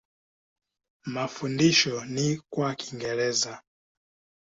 Mafundisho ni kwa Kiingereza.